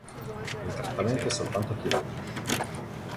Il trattamento è soltanto chirurgico